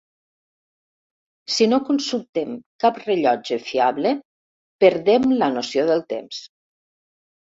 Si no consultem cap rellotge fiable perdem la noció del temps.